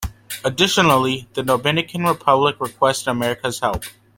Additionally, the Dominican Republic requested America's help.